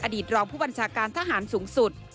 ตรองผู้บัญชาการทหารสูงสุด